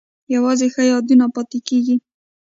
یوازې ښه یادونه پاتې کیږي